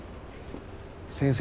先生